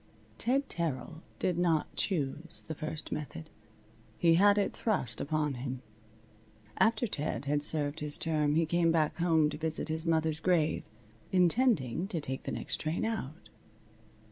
Ted Terrill did not choose the first method. He had it thrust upon him. After Ted had served his term he came back home to visit his mother's grave, intending to take the next train out.